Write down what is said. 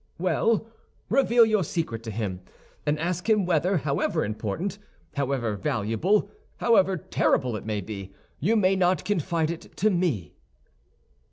"Well, reveal your secret to him, and ask him whether, however important, however valuable, however terrible it may be, you may not confide it to me."